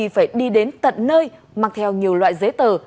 phải đi đến tận nơi mang theo nhiều loại giấy tờ